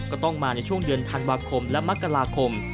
ก็ต้องมาในช่วงเดือนธันวาคมและมกราคม